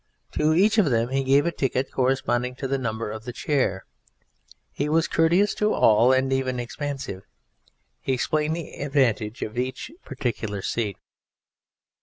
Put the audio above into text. To each of them he gave a ticket corresponding to the number of the chair. He was courteous to all, and even expansive. He explained the advantage of each particular seat.